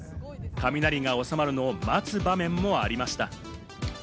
雷が収まるのを待つ場面もありました。